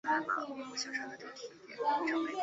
在线直接起动的启动器也可以包括保护元件。